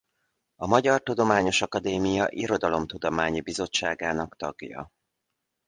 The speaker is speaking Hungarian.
A Magyar Tudományos Akadémia Irodalomtudományi Bizottságának tagja.